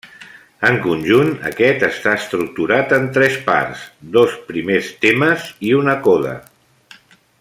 En conjunt, aquest està estructurat en tres parts: dos primers temes i una coda.